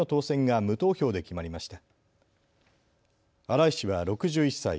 新井氏は６１歳。